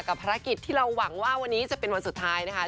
ภารกิจที่เราหวังว่าวันนี้จะเป็นวันสุดท้ายนะคะ